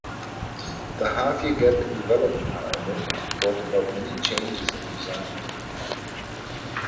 The half-year gap in development, however, brought about many changes in design.